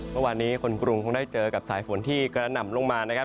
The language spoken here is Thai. เมื่อวานนี้คนกรุงคงได้เจอกับสายฝนที่กระหน่ำลงมานะครับ